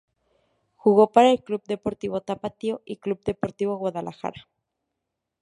Jugó para Club Deportivo Tapatío y Club Deportivo Guadalajara.